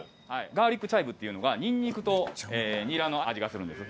ガーリックチャイブっていうのはニンニクとニラの味がするんです。